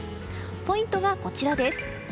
ポイントはこちらです。